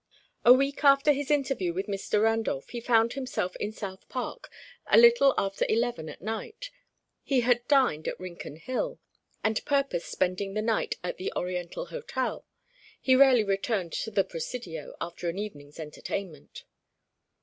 A week after his interview with Mr. Randolph, he found himself in South Park a little after eleven at night. He had dined on Rincon Hill, and purposed spending the night at the Oriental Hotel; he rarely returned to the Presidio after an evening's entertainment.